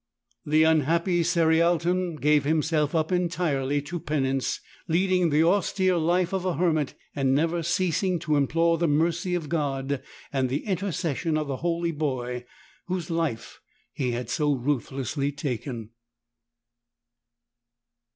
The unhappy Cerialton gave himself up entirely to penance, leading the austere life of a hermit and never ceasing to implore the mercy of God and the intercession of the holy boy whose life he had so ruthlessly taken.